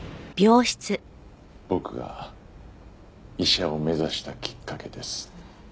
僕が医者を目指したきっかけです。